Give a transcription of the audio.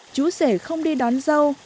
chú rể không đi đón dâu